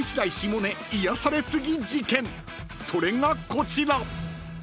［それがこちら］